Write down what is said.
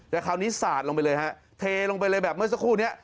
แต่คราวนี้สาดลงไปเลยฮะเทลงไปเลยแบบเมื่อสักครู่นี้